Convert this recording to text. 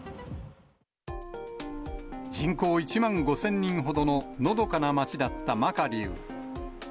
人口１万５０００人ほどののどかな街だったマカリウ。